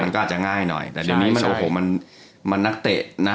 มันก็อาจจะง่ายหน่อยแต่เดี๋ยวนี้มันโอ้โหมันมันนักเตะนะ